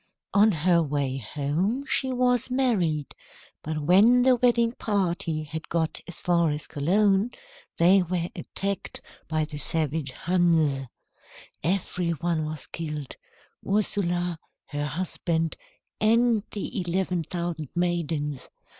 On her way home she was married, but when the wedding party had got as far as Cologne, they were attacked by the savage Huns. Every one was killed, Ursula, her husband, and the eleven thousand maidens.